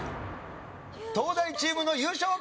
東大チームの優勝決定！